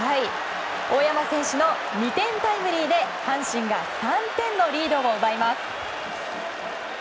大山選手の２点タイムリーで阪神が３点のリードを奪います。